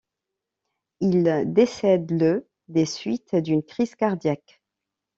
Il décède le des suites d'une crise cardiaque.